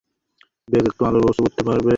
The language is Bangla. বেক, একটু আলোর ব্যবস্থা করতে পারবে?